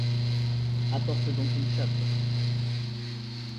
Apporte donc une chope.